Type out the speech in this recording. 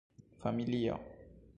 Familio.